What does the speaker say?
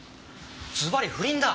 ずばり不倫だ！